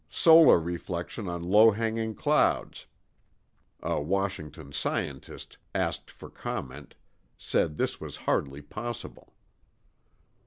Solar reflection on low hanging clouds. [A Washington scientist, asked for comment, said this was hardly possible.